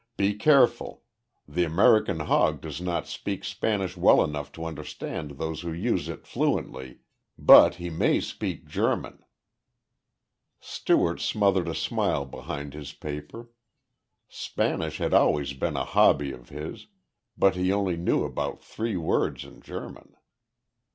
"Be careful! The American hog does not speak Spanish well enough to understand those who use it fluently, but he may speak German." Stewart smothered a smile behind his paper. Spanish had always been a hobby of his but he only knew about three words in German!